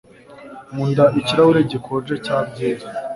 nkunda ikirahure gikonje cya byeri